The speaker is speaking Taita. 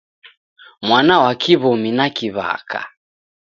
Mwana wa Kiw'omi na kiw'aka